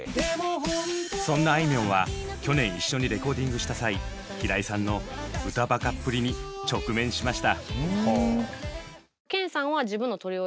そんなあいみょんは去年一緒にレコーディングした際平井さんの歌バカっぷりに直面しました。